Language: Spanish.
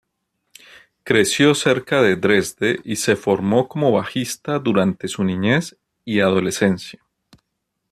Creció cerca de Dresde y se formó como bajista durante su niñez y adolescencia.